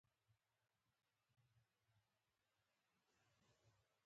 افغانستان کې د اقلیم په اړه زده کړه کېږي.